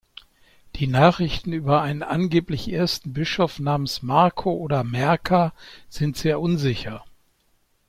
Die Nachrichten über einen angeblich ersten Bischof namens "Marco" oder "Merka" sind sehr unsicher.